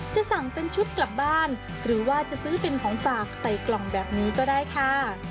จะสั่งเป็นชุดกลับบ้านหรือว่าจะซื้อเป็นของฝากใส่กล่องแบบนี้ก็ได้ค่ะ